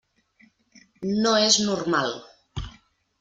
No és normal.